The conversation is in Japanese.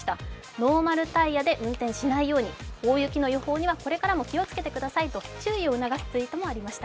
ノーマルタイヤで運転しないように、これからも気をつけてくださいと注意を促すツイートもありました。